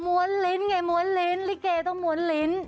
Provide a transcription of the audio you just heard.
ลิ้นไงม้วนลิ้นลิเกต้องม้วนลิ้น